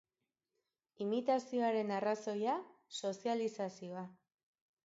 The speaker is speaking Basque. Imitazioaren arrazoia, sozializazioa.